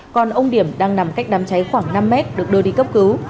còn ông điểm đang nằm cách đám cháy khoảng năm mét được đưa đi cấp cứu